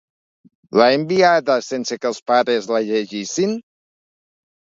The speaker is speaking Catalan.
L'ha enviada sense que els pares la llegissin?